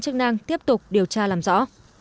chức năng tiếp tục điều tra làm rõ